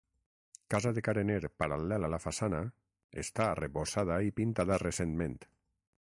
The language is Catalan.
Casa de carener paral·lel a la façana, està arrebossada i pintada recentment.